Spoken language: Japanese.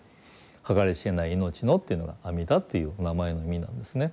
「計り知れない命の」というのが阿弥陀という名前の意味なんですね。